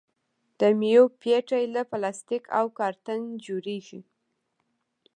د میوو پیټۍ له پلاستیک او کارتن جوړیږي.